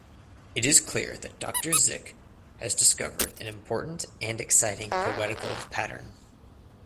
It is clear that Doctor Zik has discovered an important and exciting poetical pattern.